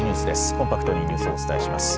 コンパクトにニュースをお伝えします。